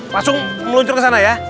langsung meluncur ke sana ya